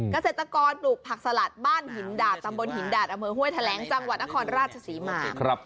เกษตรกรปลูกผักสลัดบ้านหินดาดตำบลหินดาดอำเภอห้วยแถลงจังหวัดนครราชศรีมา